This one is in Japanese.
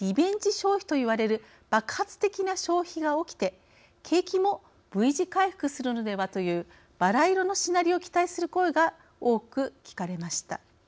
消費といわれる爆発的な消費が起きて景気もＶ字回復するのではというバラ色のシナリオを期待する声が多く聞かれました。